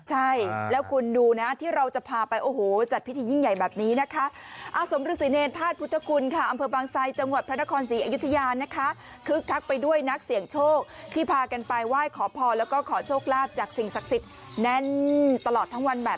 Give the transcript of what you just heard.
ใช่แล้วคุณดูนะที่เราจะพาไปโอ้โหจัดพิธียิ่งใหญ่แบบนี้นะคะ